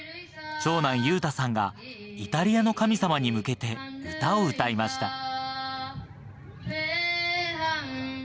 長男・雄太さんがイタリアの神様に向けて歌を歌いました。